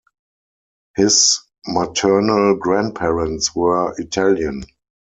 His maternal grandparents were Italian.